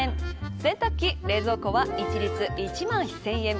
洗濯機、冷蔵庫は一律１万１０００円。